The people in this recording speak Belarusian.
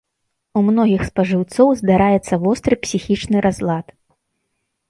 У многіх спажыўцоў здараецца востры псіхічны разлад.